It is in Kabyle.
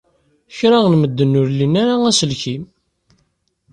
Kra n medden ur lin ara aselkim.